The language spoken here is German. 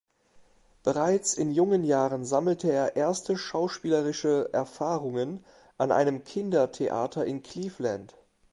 Bereits in jungen Jahren sammelte er erste schauspielerische Erfahrungen an einem Kindertheater in Cleveland.